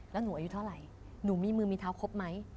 แล้วหนูอายุเท่าไหร่หนูมีมือมีเท้าครบไหม